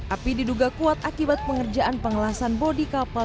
api diduga kuat akibat pengerjaan pengelasan bodi kapal